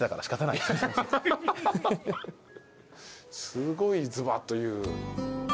すごいズバッと言う。